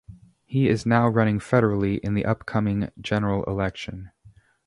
He is now running federally in the upcoming general election.